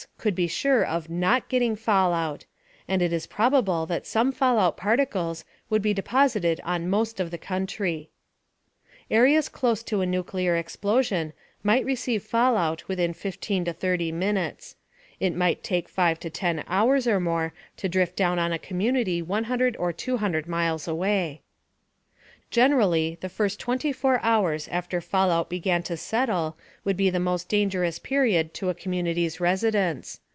could be sure of not getting fallout, and it is probable that some fallout particles would be deposited on most of the country. Areas close to a nuclear explosion might receive fallout within 15 30 minutes. It might take 5 10 hours or more for the particles to drift down on a community 100 or 200 miles away. Generally, the first 24 hours after fallout began to settle would be the most dangerous period to a community's residents.